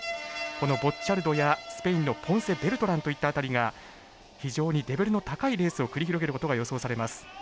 このボッチャルドやスペインのポンセベルトランといった辺りが非常にレベルの高いレースを繰り広げることが予想されます。